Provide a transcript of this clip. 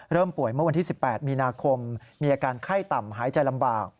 ป่วยเมื่อวันที่๑๘มีนาคมมีอาการไข้ต่ำหายใจลำบาก